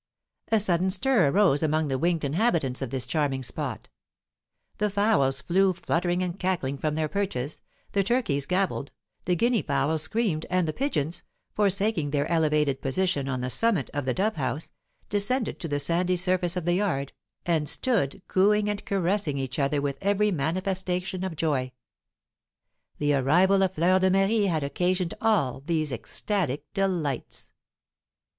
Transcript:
A sudden stir arose among the winged inhabitants of this charming spot; the fowls flew fluttering and cackling from their perches, the turkeys gabbled, the guinea fowls screamed, and the pigeons, forsaking their elevated position on the summit of the dove house, descended to the sandy surface of the yard, and stood cooing and caressing each other with every manifestation of joy. The arrival of Fleur de Marie had occasioned all these ecstatic delights.